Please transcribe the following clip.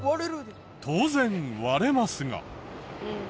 当然割れますが。